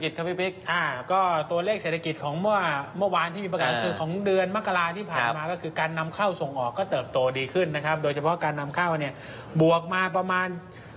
ก็ตัวเลขเศรษฐกิจของเมื่อวานที่มีประกาศคือของเดือนมกราที่ผ่านมาก็คือการนำเข้าส่งออกก็เติบโตดีขึ้นนะครับโดยเฉพาะการนำเข้าเนี่ยบวกมาประมาณ